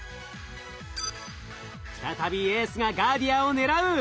再びエースがガーディアンを狙う。